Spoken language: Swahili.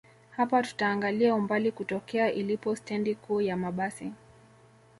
Hapa tutaangalia umbali kutokea ilipo stendi kuu ya mabasi